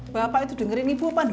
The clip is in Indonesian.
bapak itu dengerin ibu pandu